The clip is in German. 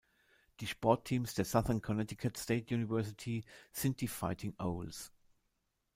Die Sportteams der Southern Connecticut State University sind die "Fighting Owls".